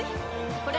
これ！